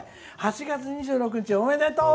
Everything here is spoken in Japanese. ８月２６日おめでとう！